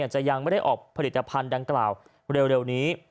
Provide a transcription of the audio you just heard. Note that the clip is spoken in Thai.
จะยังไม่ได้ออกผลิตภัณฑ์ดังกล่าวเร็วนี้